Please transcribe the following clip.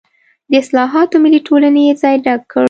د اصلاحاتو ملي ټولنې یې ځای ډک کړ.